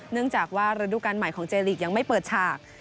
เนื่องจากว่าระดูการใหม่ของเจลีกยังไม่เปิดฉาก